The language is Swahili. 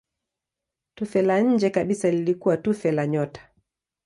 Tufe la nje kabisa lilikuwa tufe la nyota.